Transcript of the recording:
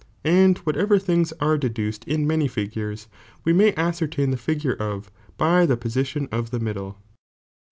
Mill whatever things are deduced in many figures, we may ^^uoertain the figure of by tie position of the middle.